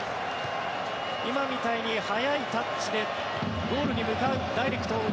今みたいに速いタッチでゴールに向かうダイレクトを。